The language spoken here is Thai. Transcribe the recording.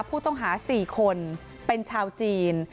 ผู้ต้องหา๔คนเป็นชาวจีน